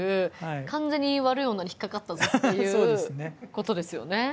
完全に悪い女に引っ掛かったぞっていうことですよね。